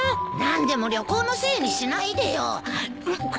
何でも旅行のせいにしないでよ。